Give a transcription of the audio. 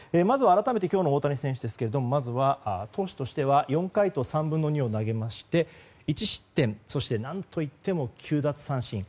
まずは改めて今日の大谷選手ですがまずは投手としては４回と３分の２を投げまして１失点、そして何といっても９奪三振。